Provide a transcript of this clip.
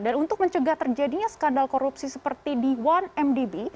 dan untuk mencegah terjadinya skandal korupsi seperti di satu mdb